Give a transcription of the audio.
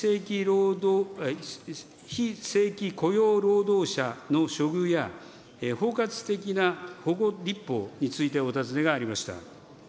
非正規雇用労働者の処遇や、包括的な保護立法についてお尋ねがありました。